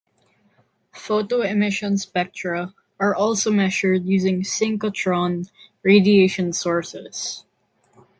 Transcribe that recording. Photoemission spectra are also measured using synchrotron radiation sources.